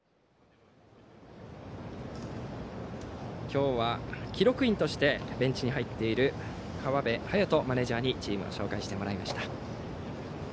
今日は記録員としてベンチに入っている川辺颯人マネージャーにチームを紹介してもらいました。